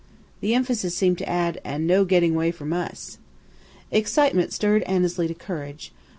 The emphasis seemed to add, "And no getting away from us." Excitement stirred Annesley to courage.